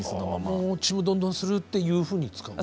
もうちむどんどんするっていうふうに使う？